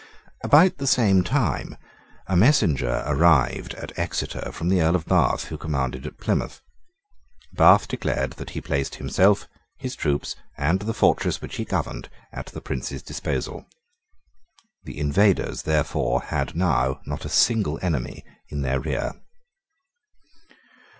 About the same time a messenger arrived at Exeter from the Earl of Bath, who commanded at Plymouth. Bath declared that he placed himself, his troops, and the fortress which he governed at the Prince's disposal. The invaders therefore had now not a single enemy in their rear.